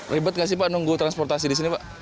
ribet gak sih pak nunggu transportasi di sini pak